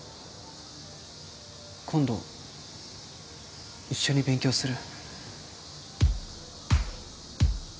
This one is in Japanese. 今度一緒に勉強する？